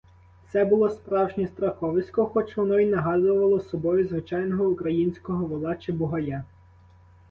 Це було справжнє страховисько, хоч воно й нагадувало собою звичайного українського вола чи бугая.